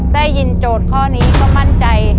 ได้ยินโจทย์ข้อนี้ก็มั่นใจ